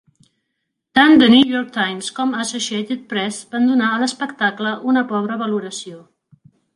Tant "The New York Times" com Associated Press van donar a l"espectacle una pobra valoració.